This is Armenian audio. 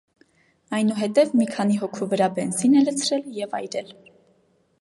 Այնուհետև մի քանի հոգու վրա բենզին է լցրել և այրել։